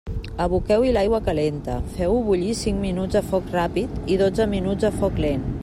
Aboqueu-hi l'aigua calenta, feu-ho bullir cinc minuts a foc ràpid i dotze minuts a foc lent.